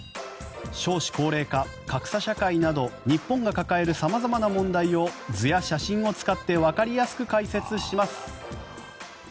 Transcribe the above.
少子高齢化、格差社会など日本が抱える様々な問題を図や写真を使ってわかりやすく解説します。